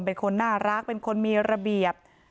เป็นคนน่ารักเป็นคนมีระเบียบ